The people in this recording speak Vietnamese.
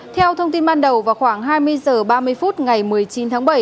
theo thông tin ban đầu vào khoảng hai mươi h ba mươi phút ngày một mươi chín tháng bảy